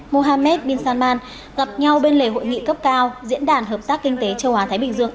mohammed bin salman gặp nhau bên lề hội nghị cấp cao diễn đàn hợp tác kinh tế châu á thái bình dương